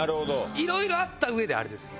いろいろあった上であれですよ。